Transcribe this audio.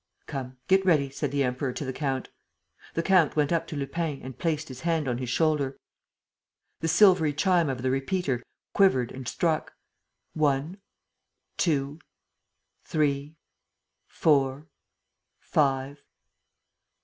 "Come, get ready," said the Emperor to the count. The count went up to Lupin and placed his hand on his shoulder. The silvery chime of the repeater quivered and struck ... one, two, three, four, five